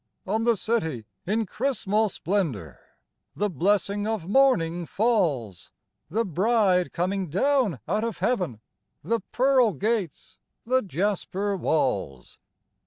On the city, in chrismal splendor, The blessing of morning falls :— The Bride coming down out of heaven ! The pearl gates, the jasper walls